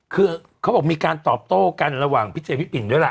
คือเขาบอกมีการตอบโต้กันระหว่างพี่เจพี่ปิ่นด้วยล่ะ